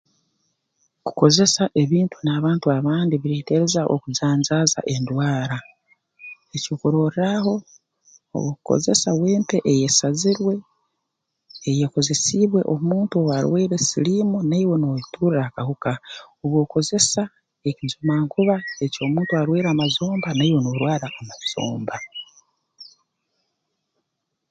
Kukozesa ebintu n'abantu abandi bireeterereza okujanjaaza endwara ekyokurorraaho obu okukozesa wempe eyeesazirwe eyeekozesiibwe omuntu owaarwaire siliimu naiwe nooyeturra akahuka obu okozesa ekijumankuba eky'omuntu arwaire amazomba naiwe noorwara amazomba